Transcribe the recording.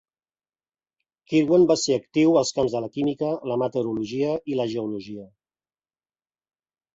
Kirwan va ser actiu als camps de la química, la meteorologia i la geologia.